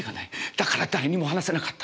だから誰にも話せなかった。